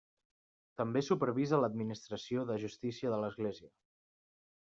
També supervisa l'administració de justícia de l'Església.